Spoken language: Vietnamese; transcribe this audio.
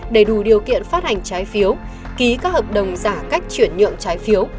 để đủ điều kiện phát hành trái phiếu ký các hợp đồng giả cách chuyển nhượng trái phiếu